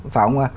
phải không ạ